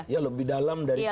iya lebih dalam dari kita